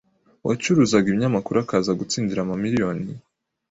uwacuruzaga ibinyamakuru akaza gutsindira ama miliyoni